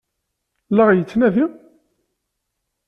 La ɣ-yettnadi?